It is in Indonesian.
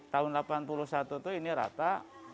tahun delapan puluh satu tuh ini rata